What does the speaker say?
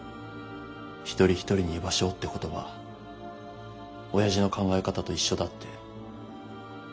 「一人一人に居場所を」って言葉親父の考え方と一緒だって。